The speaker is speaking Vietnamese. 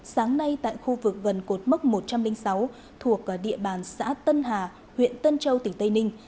sáng nay tại khu vực gần cột mốc một trăm linh sáu thuộc địa bàn xã tân hà huyện tân châu tỉnh tây ninh